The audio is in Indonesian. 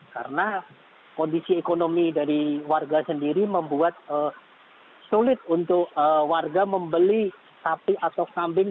karena kondisi ekonomi dari warga sendiri membuat sulit untuk warga membeli sapi atau kambing